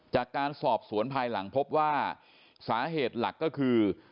จากการสอบสวนภายหลังพบว่าสาเหตุหลักก็คือ